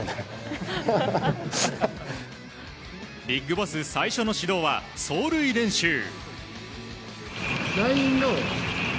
ビッグボス最初の指導は走塁練習。